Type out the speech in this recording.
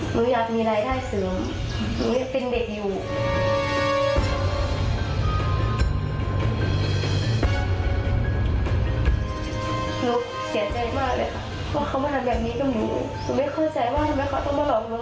หนูอยากมีรายได้เสริมหนูยังเป็นเด็กอยู่